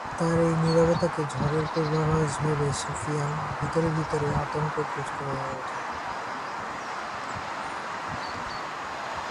তার এই নীরবতাকে ঝড়ের পূর্বাভাস ভেবে আবু সুফিয়ান ভিতরে ভিতরে আতংকগ্রস্থ হয়ে ওঠে।